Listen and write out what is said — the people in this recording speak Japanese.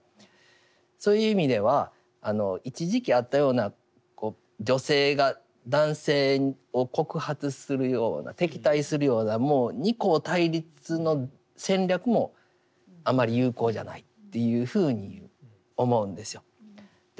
そういう意味では一時期あったような女性が男性を告発するような敵対するようなもう二項対立の戦略もあまり有効じゃないっていうふうに思うんですよ。